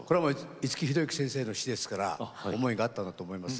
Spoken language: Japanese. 五木寛之先生の詞ですから思いがあったんだと思います。